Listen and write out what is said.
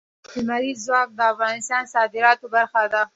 لمریز ځواک د افغانستان د صادراتو برخه ده.